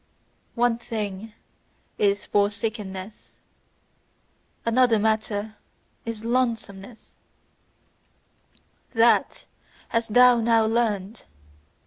One thing is forsakenness, another matter is lonesomeness: THAT hast thou now learned!